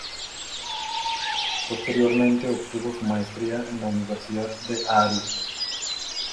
Posteriormente obtuvo su maestría en la Universidad de Aarhus.